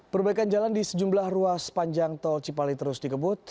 perbaikan jalan di sejumlah ruas panjang tol cipali terus dikebut